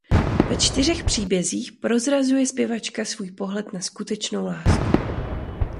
Ve čtyřech příbězích prozrazuje zpěvačka svůj pohled na skutečnou lásku.